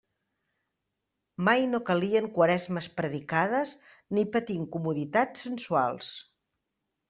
Mai no calien Quaresmes predicades, ni patir incomoditats sensuals.